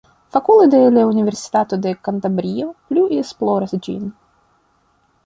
Fakuloj de la Universitato de Kantabrio plu esploras ĝin.